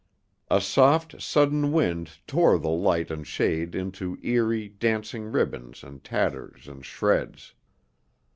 A soft, sudden wind tore the light and shade into eerie, dancing ribbons and tatters and shreds.